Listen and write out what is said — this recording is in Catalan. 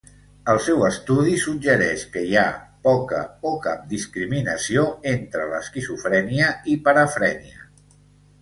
El seu estudi suggereix que hi ha poca o cap discriminació entre l'esquizofrènia i parafrènia.